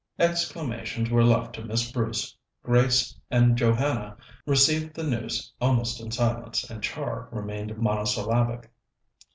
Exclamations were left to Miss Bruce. Grace and Joanna received the news almost in silence, and Char remained monosyllabic.